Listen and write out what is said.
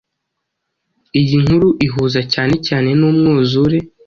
Iyi nkuru ihuza cyane cyane numwuzure